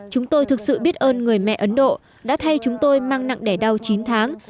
chúng tôi thực sự biết ơn người mẹ ấn độ đã thay chúng tôi mang nặng đẻ đau chín tháng